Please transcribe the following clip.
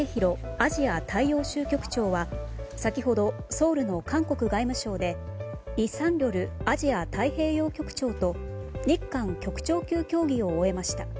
アジア大洋州局長は先ほど、ソウルの韓国外務省でイ・サンリョルアジア太平洋局長と日韓局長級協議を終えました。